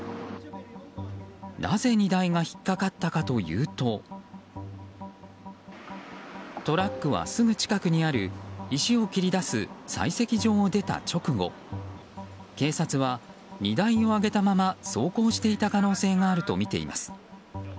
なぜ荷台が引っ掛かったかというとトラックはすぐ近くにある石を切り出す採石場を出た直後警察は荷台を上げたまま走行していた可能性があるとみています。